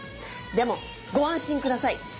でもご安心下さい！